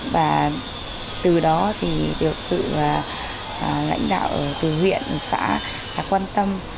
và từ đó thì được sự lãnh đạo từ huyện xã quan tâm